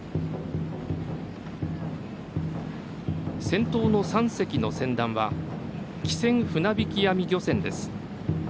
先頭の３隻の船団は機船船びき網漁船です。